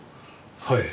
はい。